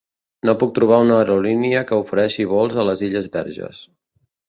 No puc trobar una aerolínia que ofereixi vols a les Illes Verges.